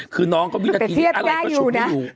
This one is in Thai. คือน้องก็วินาทีนี้อะไรก็ฉุดไม่อยู่